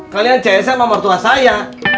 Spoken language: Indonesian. kalian csm sama mertua saya